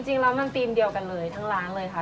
จริงแล้วมันธีมเดียวกันเลยทั้งร้านเลยค่ะ